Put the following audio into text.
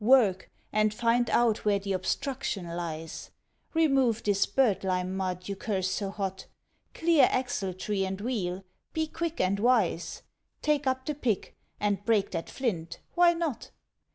Work, and find out where the obstruction lies; Remove this bird lime mud you curse so hot; Clear axle tree and wheel be quick and wise; Take up the pick, and break that flint why not?